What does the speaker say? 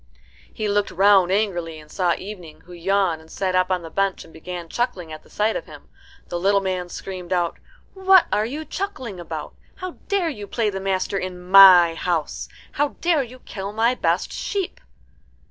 He looked round angrily, and saw Evening, who yawned, and sat up on the bench, and began chuckling at the sight of him. The little man screamed out, "What are you chuckling about? How dare you play the master in my house? How dare you kill my best sheep?"